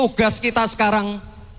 tugas kita sekarang